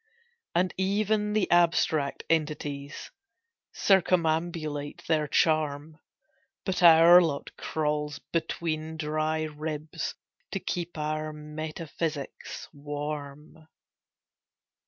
And even the Abstract Entities Circumambulate her charm; But our lot crawls between dry ribs To keep our metaphysics warm.